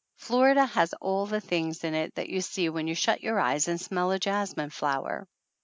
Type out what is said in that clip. Florida has all the things in it that you see when you shut your eyes and smell a jasmine flower